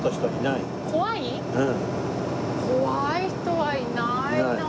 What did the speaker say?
怖い人はいないな。